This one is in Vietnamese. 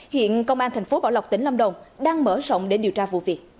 hiện công an thành phố bảo lộc tỉnh lâm đồng đang mở rộng để điều tra vụ việc